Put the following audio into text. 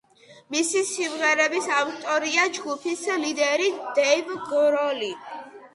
მისი სიმღერების ავტორია ჯგუფის ლიდერი დეივ გროლი.